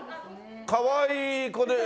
かわいい子で。